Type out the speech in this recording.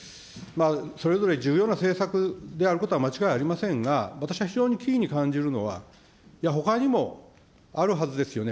それぞれ重要な政策であることは間違いありませんが、私は非常に奇異に感じるのは、ほかにもあるはずですよね。